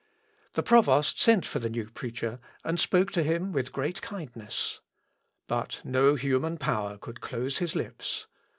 The provost sent for the new preacher, and spoke to him with great kindness. But no human power could close his lips.